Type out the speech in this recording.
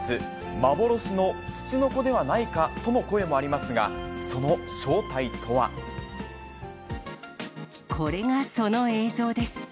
幻のツチノコではないかとの声もありますが、その正体とは。これがその映像です。